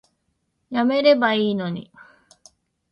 やめればいいのに